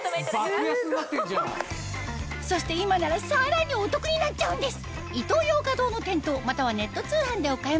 すごい！そして今ならさらにお得になっちゃうんです